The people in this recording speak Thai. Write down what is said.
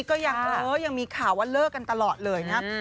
ก็ยังมีข่าวว่าเลิกกันตลอดเลยนะครับ